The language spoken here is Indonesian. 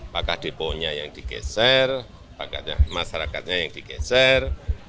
pakah deponya yang digeser pakatnya masyarakatnya yang digeser